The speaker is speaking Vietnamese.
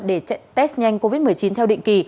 để test nhanh covid một mươi chín theo định kỳ